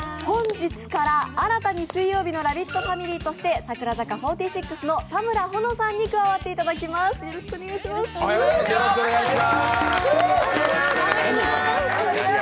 本日から新たに水曜日のラヴィットファミリーとして櫻坂４６の田村保乃さんに加わっていただきます。